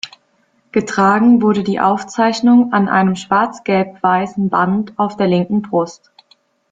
Getragen wurde die Auszeichnung an einem schwarz-gelb-weißen Band auf der linken Brust.